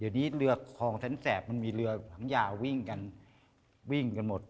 เดี๋ยวนี้เรือคลองแสนแสบมันมีเรือหลังยาววิ่งกันวิ่งกันหมด